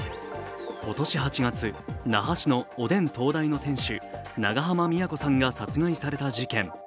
今年８月、那覇市のおでん東大の店主長濱美也子さんが殺害された事件。